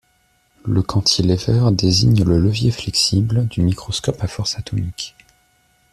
Le cantilever désigne le levier flexible du microscope à force atomique.